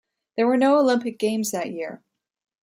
There were no Olympic Games that year.